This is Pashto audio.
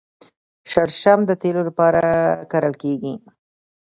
شړشم د تیلو لپاره کرل کیږي.